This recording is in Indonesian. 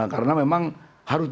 karena memang harus